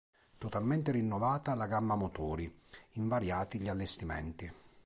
Totalmente rinnovata la gamma motori, invariati gli allestimenti.